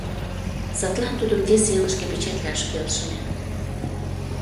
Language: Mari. Садлан тудым вес элыште печатлаш келшыме.